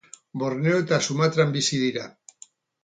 Borneo eta Sumatran bizi dira.